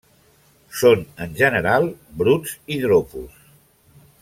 Són en general bruts i dropos.